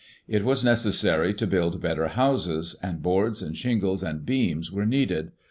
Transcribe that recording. It was necessary to build better houses, and boards and shingles and beams were needed.